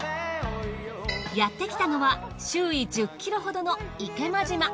やってきたのは周囲１０ｋｍほどの池間島。